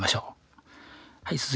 はい。